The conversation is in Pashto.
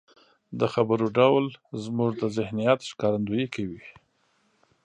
د خبرو ډول زموږ د ذهنيت ښکارندويي کوي.